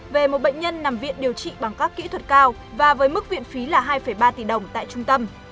về một bệnh nhân nằm viện điều trị bằng các kỹ thuật cao và với mức viện phí là hai ba tỷ đồng tại trung tâm